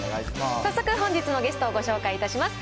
早速、本日のゲストをご紹介いたします。